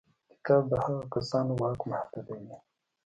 کتاب د هغو کسانو واک محدودوي.